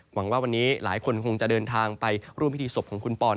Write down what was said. หวังว่าวันนี้หลายคนคงจะเดินทางไปร่วมพิธีศพของคุณปอน